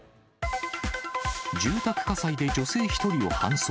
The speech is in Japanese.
住宅火災で女性１人を搬送。